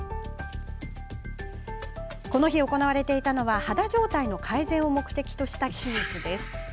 この日、行われていたのは肌状態の改善を目的とした手術です。